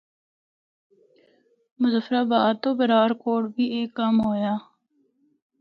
مظفرآباد تو برارکوٹ بھی اے کم ہویا۔